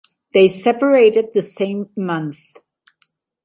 They separated the same month.